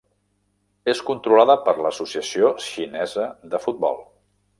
És controlada per l'Associació Xinesa de Futbol.